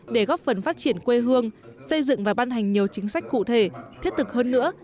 để góp phần phát triển quê hương xây dựng và ban hành nhiều chính sách cụ thể thiết thực hơn nữa